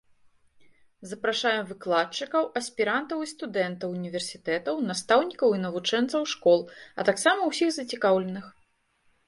Запрашаем выкладчыкаў, аспірантаў і студэнтаў універсітэтаў, настаўнікаў і навучэнцаў школ, а таксама ўсіх зацікаўленых.